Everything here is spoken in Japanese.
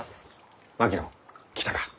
槙野来たか。